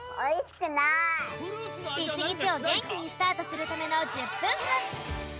１日を元気にスタートするための１０分間。